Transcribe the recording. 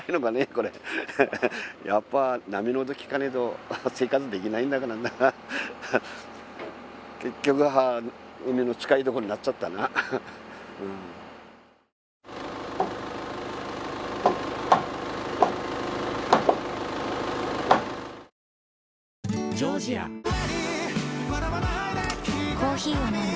これやっぱ波の音聞かねえと生活できないんだからな結局は海の近いとこになっちゃったなそれビール？